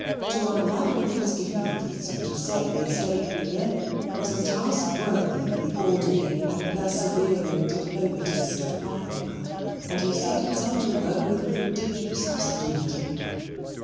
To unravel these difficulties and to set the estate clear was a task worthy of the orderly and persevering diplomatist of Pumpernickel, and he set himself to work with prodigious assiduity.